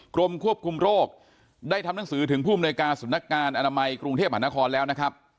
กรมควบคุมโรคได้ทำหนังสือถึงผู้อำนวยการสำนักงานอนามัยกรุงเทพหานครแล้วนะครับ